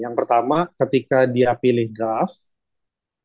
yang pertama ketika dia pilih gas